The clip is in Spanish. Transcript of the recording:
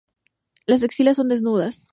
Las axilas son desnudas.